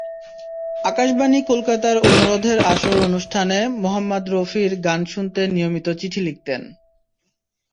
আকাশবাণী কলকাতার অনুরোধের আসর অনুষ্ঠানে মোহাম্মদ রফির গান শুনতে নিয়মিত চিঠি লিখতেন।